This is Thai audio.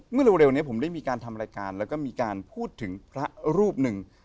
เร็วนี้ผมได้มีการทำรายการแล้วก็มีการพูดถึงพระรูปหนึ่ง